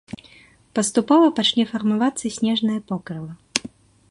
Паступова пачне фармавацца снежнае покрыва.